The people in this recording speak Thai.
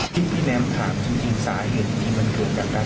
ที่พี่แนมถามจริงสาเหตุนี้มันเกิดจากการ